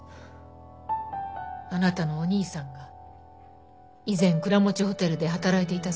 あなたのお兄さんが以前倉持ホテルで働いていたそうね。